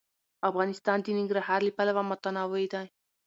افغانستان د ننګرهار له پلوه متنوع دی.